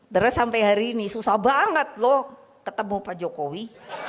terus sampai hari ini susah banget loh ketemu pak jokowi